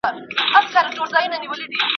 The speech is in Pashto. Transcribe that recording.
وطن له سره جوړوي بیرته جشنونه راځي.